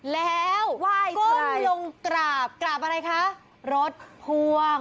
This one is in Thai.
แล้วก้มลงกราบกราบอะไรคะรถพ่วง